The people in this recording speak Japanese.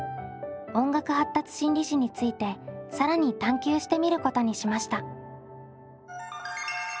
音楽発達心理士について更に探究してみることにしました。